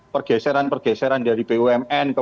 pergeseran pergeseran dari bumn